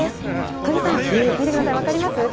小木さん、見てくださいわかります？